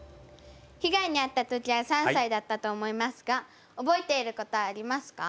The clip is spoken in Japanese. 被害にあった時は３歳だったと思いますが覚えていることはありますか？